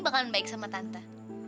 bakalan baik sama tante